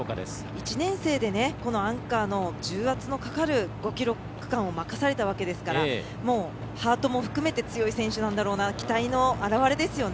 １年生でアンカーの重圧のかかる５ｋｍ区間を任されたわけですからハートも含めて強い選手なんだろうなと期待の表れですよね。